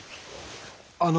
あの。